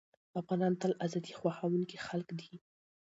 افغانان تل ازادي خوښوونکي خلک دي.